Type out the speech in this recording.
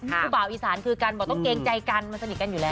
ผู้บ่าวอีสานคือกันบอกต้องเกรงใจกันมันสนิทกันอยู่แล้ว